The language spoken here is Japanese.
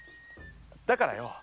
だからよ